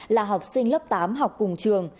là học sinh lớp tám học cùng trường